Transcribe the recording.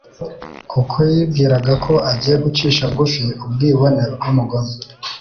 kuko yibwiraga ko agiye gucisha bugufi ubwibone bw'umugome